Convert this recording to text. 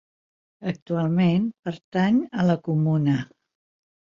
Actualment pertany a la comuna.